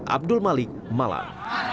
abdul malik malam